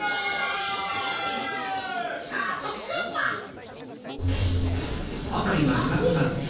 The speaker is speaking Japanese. さあとくてんは？はへ？